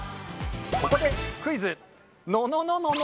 ここでクイズ！！。